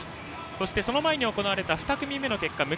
そしてその前に行われた２組目の結果です。